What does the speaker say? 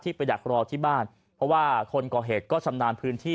ไปดักรอที่บ้านเพราะว่าคนก่อเหตุก็ชำนาญพื้นที่